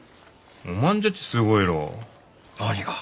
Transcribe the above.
おまんじゃちすごいろう？何が？